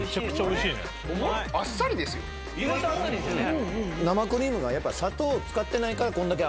意外とあっさりですよね。